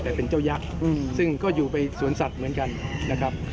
แต่เป็นเจ้ายักษ์ซึ่งก็อยู่ไปสวนสัตว์เหมือนกันนะครับ